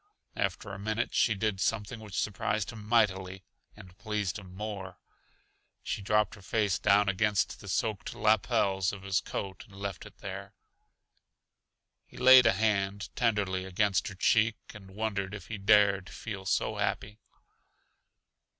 After a minute she did something which surprised him mightily and pleased him more: she dropped her face down against the soaked lapels of his coat, and left it there. He laid a hand tenderly against her cheek and wondered if he dared feel so happy.